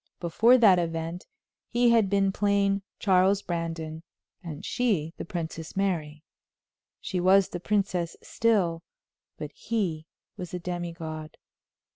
Before that event he had been plain Charles Brandon, and she the Princess Mary. She was the princess still, but he was a demi god.